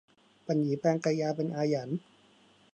ปันหยีแปลงกายาเป็นอาหยัน